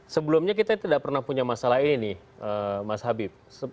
sebelumnya kita tidak pernah punya masalah ini nih mas habib